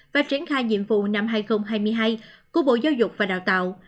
và triển khai nhiệm vụ năm hai nghìn hai mươi hai của bộ giáo dục và đào tạo